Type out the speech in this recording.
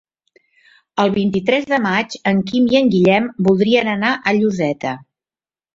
El vint-i-tres de maig en Quim i en Guillem voldrien anar a Lloseta.